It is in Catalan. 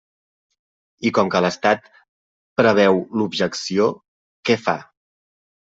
I com que l'estat preveu l'objecció, ¿què fa?